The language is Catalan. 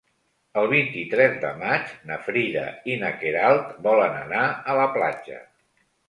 El vint-i-tres de maig na Frida i na Queralt volen anar a la platja.